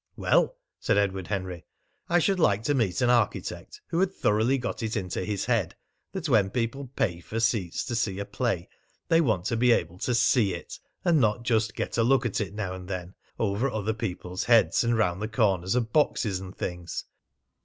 "Well," said Edward Henry, "I should like to meet an architect who had thoroughly got it into his head that when people pay for seats to see a play they want to be able to see it, and not just get a look at it now and then over other people's heads and round corners of boxes and things.